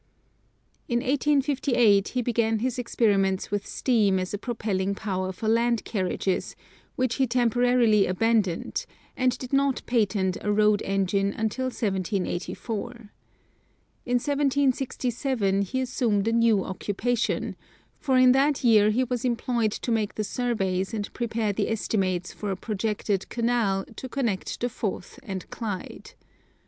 In 1858 he began his experiments with steam as a propelling power for land carriages, which he temporarily abandoned, and did not patent a road engine until 1784. In 1767 he assumed a new occupation, for in that year he was employed to make the surveys and prepare the estimates for a projected canal to connect the Forth and Clyde.